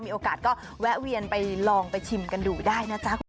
มีโอกาสก็แวะเวียนไปลองไปชิมกันดูได้นะจ๊ะคุณผู้ชม